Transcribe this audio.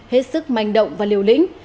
hết sức manh động và liều lĩnh